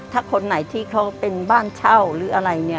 ถ้าคนไหนที่เขาเป็นบ้านเช่าหรืออะไรเนี่ย